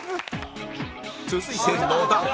続いて野田